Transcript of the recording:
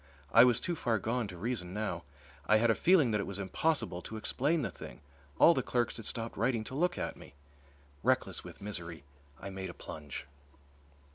I was too far gone to reason now. I had a feeling that it was impossible to explain the thing. All the clerks had stopped writing to look at me. Reckless with misery, I made a plunge.